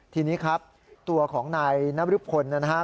ทีนี้ครับตัวของนายนบริพลนะครับ